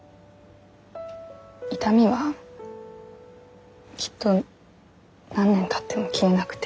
痛みはきっと何年たっても消えなくて。